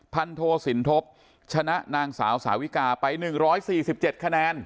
พันโทสินทบชนะนางสาวสาวิกาไป๑๔๗คะแนน